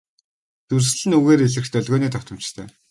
Дүрслэл нь үгээр илрэх долгионы давтамжтай.